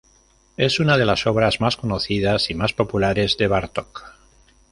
Es una de las obras más conocidas y más populares de Bartók.